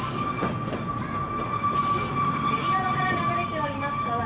右側から流れております